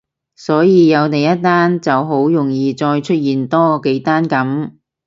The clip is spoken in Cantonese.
好似有第一單就好容易再出現多幾單噉